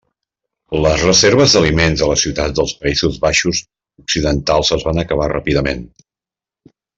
Les reserves d'aliments a les ciutats dels Països Baixos occidentals es van acabar ràpidament.